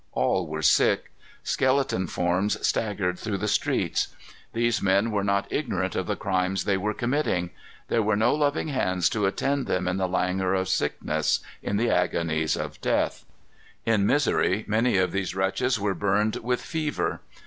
All were sick. Skeleton forms staggered through the streets. These men were not ignorant of the crimes they were committing. There were no loving hands to attend them in the languor of sickness, in the agonies of death. In misery, many of these wretches were burned with fever.